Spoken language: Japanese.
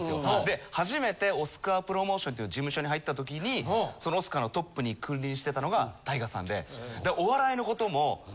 で初めてオスカープロモーションっていう事務所に入った時にそのオスカーのトップに君臨してたのがＴＡＩＧＡさんで。